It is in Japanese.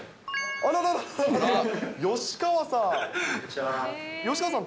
あららら、吉川さん。